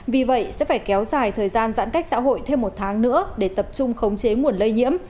vì vậy sẽ phải kéo dài thời gian giãn cách xã hội thêm một tháng nữa để tập trung khống chế nguồn lây nhiễm